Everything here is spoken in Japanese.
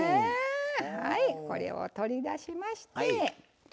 はいこれを取り出しましたよ。